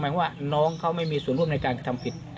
ว่าน้องเขาไม่มีส่วนร่วมในการกระทำผิด